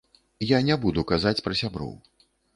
Я не буду казаць пра сяброў.